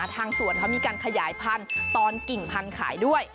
ทางสวนเขามีการขยายพันธุ์ตอนกิ่งพันธุ์ขายด้วย